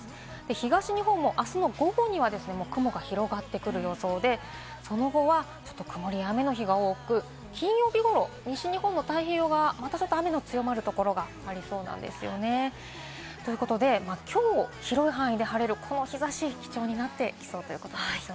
東日本もあすの午後には雲が広がってくる予想で、その後はちょっと曇りや雨の日が多く、金曜日頃、西日本の太平洋側は雨の強まるところがありそうなんです。ということで、きょう広い範囲で晴れる、この日差しは貴重になってきそうです。